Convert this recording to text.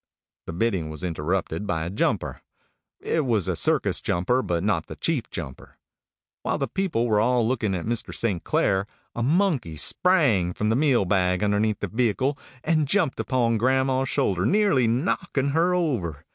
The bidding was interrupted by a Jumper. It was a circus Jumper, but not the Chief Jumper. While the people were all looking at Mr. St. Clair, a monkey sprang from the meal bag underneath the vehicle and jumped upon grandma's shoulder, nearly knocking her over.